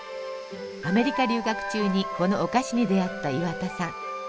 アメリカ留学中にこのお菓子に出会った岩田さん。